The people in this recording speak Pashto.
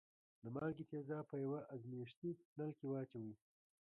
د مالګې تیزاب په یوه ازمیښتي نل کې واچوئ.